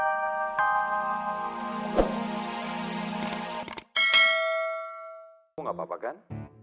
kamu gak apa apa kan